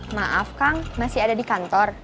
maaf kang masih ada di kantor